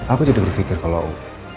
aku jadi berpikir kalau